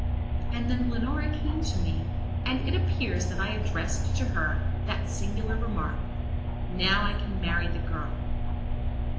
And then Leonora came to me and it appears that I addressed to her that singular remark: "Now I can marry the girl."